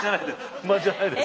不満じゃないです。